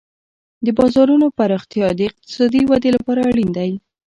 د بازارونو پراختیا د اقتصادي ودې لپاره اړین دی.